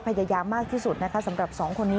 พยายามมากที่สุดนะคะสำหรับสองคนนี้